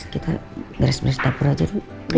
kita garis garis dapur aja dulu